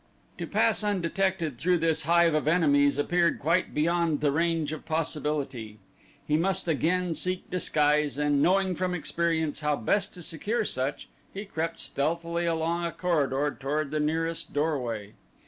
To pass undetected through this hive of enemies appeared quite beyond the range of possibility. He must again seek disguise and knowing from experience how best to secure such he crept stealthily along the corridor toward the nearest doorway.